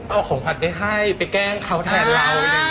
เอาของขวัญไปให้ไปแกล้งเขาแทนเรา